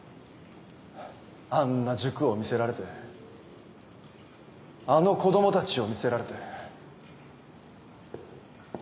あんな塾を見せられてあの子供たちを見せられて。